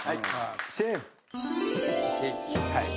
はい。